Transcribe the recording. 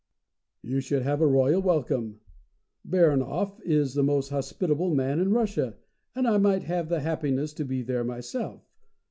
"You should have a royal welcome. Baranhov is the most hospitable man in Russia, and I might have the happiness to be there myself.